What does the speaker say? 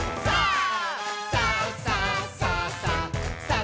さあ！